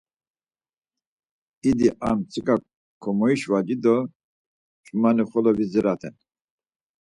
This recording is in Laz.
İdi ar mtsika komoyşvaci do ç̌umani xolo viziraten.